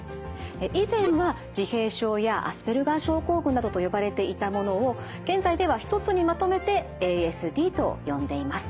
以前は自閉症やアスペルガー症候群などと呼ばれていたものを現在では一つにまとめてＡＳＤと呼んでいます。